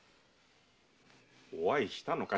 お会いしたのか？